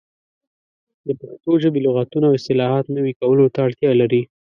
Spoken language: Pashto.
د پښتو ژبې لغتونه او اصطلاحات نوي کولو ته اړتیا لري.